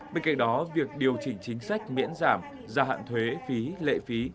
bên cạnh đó việc điều chỉnh chính sách miễn giảm gia hạn thuế phí lệ phí